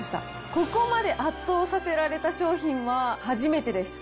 ここまで圧倒させられた商品は初めてです。